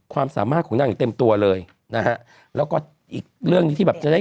ความสามารถของนางเต็มตัวเลยนะแล้วก็อีกเรื่องที่แบบจะได้